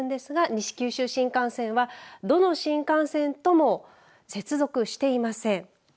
西九州新幹線はどの新幹線とも接続していません。